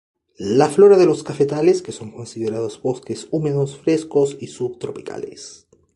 La flora de los cafetales que son considerados bosques húmedos, frescos y sub tropicales.